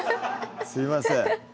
すいません